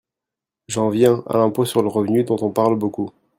J’en viens à l’impôt sur le revenu, dont on parle beaucoup.